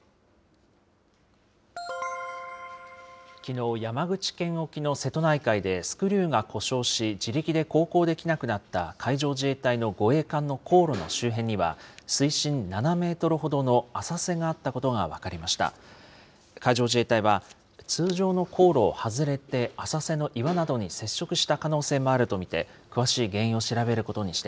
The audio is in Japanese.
きのう、山口県沖の瀬戸内海でスクリューが故障し自力で航行できなくなった海上自衛隊の護衛艦の航路の周辺には、水深７メートルほどの浅瀬があったことが分かりました。